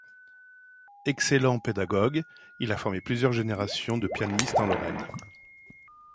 Excellent pédagogue, il a formé plusieurs générations de pianistes en Lorraine.